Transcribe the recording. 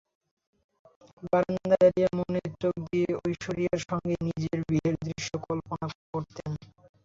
বারান্দায় দাঁড়িয়ে মনের চোখ দিয়ে ঐশ্বরিয়ার সঙ্গে নিজের বিয়ের দৃশ্যও কল্পনা করতেন।